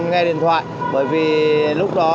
nghe điện thoại bởi vì lúc đó